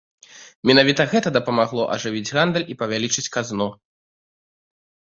Менавіта гэта дапамагло ажывіць гандаль і павялічыць казну.